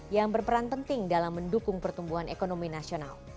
yang berperan penting dalam mendukung pertumbuhan ekonomi nasional